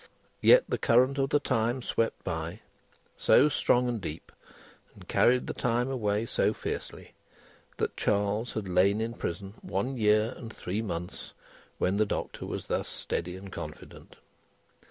Yet the current of the time swept by, so strong and deep, and carried the time away so fiercely, that Charles had lain in prison one year and three months when the Doctor was thus steady and confident.